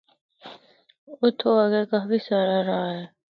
اُتھو اگا کافی ساراہ راہ ہے۔